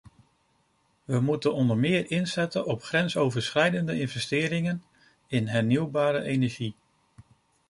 We moeten onder meer inzetten op grensoverschrijdende investeringen in hernieuwbare energie.